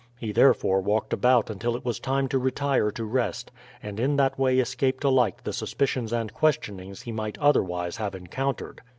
He therefore walked about until it was time to retire to rest, and in that way escaped alike the suspicions and questionings he might otherwise have encountered.